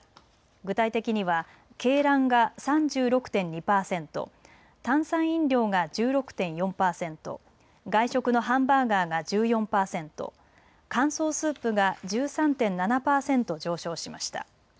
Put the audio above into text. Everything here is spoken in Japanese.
具体的には鶏卵が３６．２％、炭酸飲料が１６．４％、外食のハンバーガーが１４％、乾燥スープが１３．７％上昇しました。